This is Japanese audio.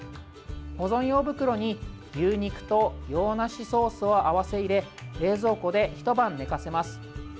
保存用袋に牛肉と洋梨ソースを合わせ入れ冷蔵庫で、ひと晩寝かせます。